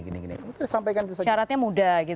syaratnya mudah gitu